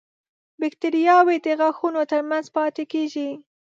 باکتریاوې د غاښونو تر منځ پاتې کېږي.